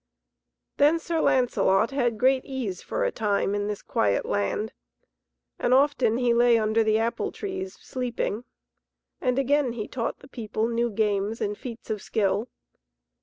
Then Sir Lancelot had great ease for a time in this quiet land, and often he lay under the apple trees sleeping, and again he taught the people new games and feats of skill.